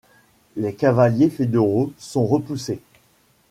Les cavaliers fédéraux sont repoussés.